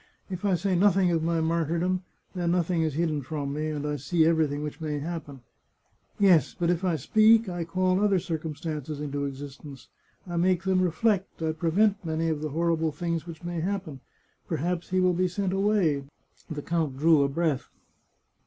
" If I say nothing of my martyrdom, then nothing is hidden from me, and I see everything which may happen. " Yes, but if I speak, I call other circumstances into ex istence; I make them reflect, I prevent many of the hor rible things which may happen. ... Perhaps he will be sent away " (the count drew a breath).